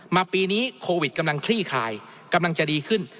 ปีนี้โควิดกำลังคลี่คลายกำลังจะดีขึ้น